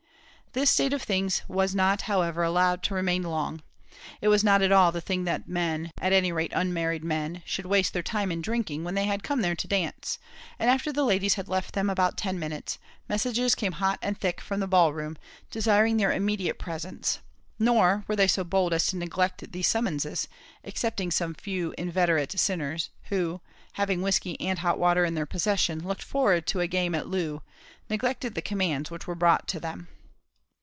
This state of things was not, however, allowed to remain long. It was not at all the thing that men at any rate unmarried men should waste their time in drinking when they had come there to dance; and after the ladies had left them about ten minutes, messages came hot and thick from the ball room, desiring their immediate presence; nor were they so bold as to neglect these summonses, excepting some few inveterate sinners, who, having whiskey and hot water in their possession, and looking forward to a game at loo, neglected the commands which were brought to them.